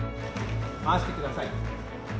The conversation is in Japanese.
回してください。